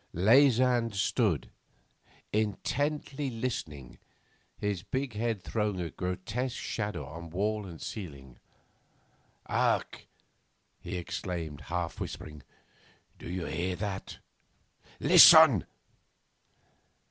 Leysin stood, intently listening, his big head throwing a grotesque shadow on wall and ceiling. 'Hark!' he exclaimed, half whispering. 'Do you hear that? Listen.